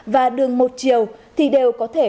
và đường một chiều thì đều có thể